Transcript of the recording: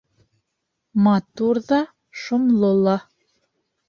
Матур ҙа, шомло ла.